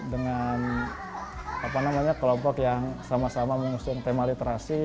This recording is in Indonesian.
dengan kelompok yang sama sama mengusung tema literasi